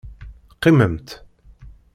Qqimemt!